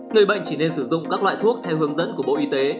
người bệnh chỉ nên sử dụng các loại thuốc theo hướng dẫn của bộ y tế